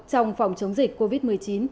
trong phòng chống dịch covid một mươi chín